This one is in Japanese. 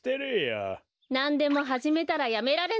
なんでもはじめたらやめられないのねウフ。